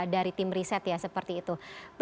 dari tim riset ya seperti itu